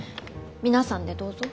皆さんでどうぞ。